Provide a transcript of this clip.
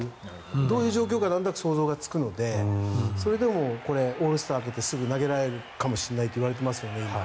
どういう状況かなんとなく想像がつくのでそれでもオールスター明けてすぐ投げられるかもしれないといわれていますよね。